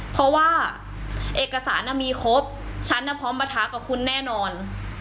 เพราะว่าเอกสารน่ะมีครบฉันน่ะพร้อมมาท้ากับคุณแน่นอน